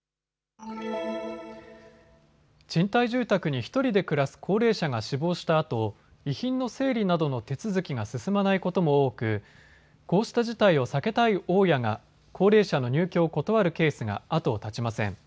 賃貸住宅に１人で暮らす高齢者が死亡したあと遺品の整理などの手続きが進まないことも多くこうした事態を避けたい大家が高齢者の入居を断るケースが後を絶ちません。